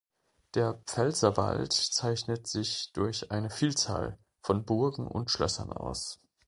Der Pfälzerwald zeichnet sich durch eine Vielzahl von Burgen und Schlössern aus.